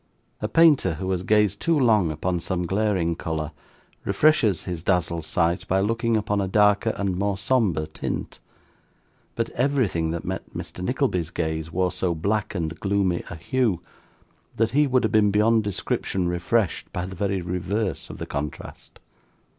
A painter who has gazed too long upon some glaring colour, refreshes his dazzled sight by looking upon a darker and more sombre tint; but everything that met Mr. Nickleby's gaze wore so black and gloomy a hue, that he would have been beyond description refreshed by the very reverse of the contrast.